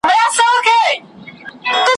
رپول مي بیرغونه هغه نه یم `